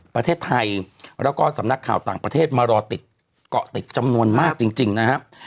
ประเทศไทยแล้วก็สำนักข่าวต่างประเทศมารอติดเกาะติดจำนวนมากจริงนะครับ